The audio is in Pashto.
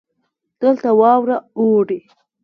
دلته واوره اوري.